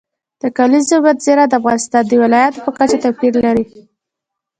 د کلیزو منظره د افغانستان د ولایاتو په کچه توپیر لري.